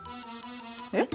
えっ？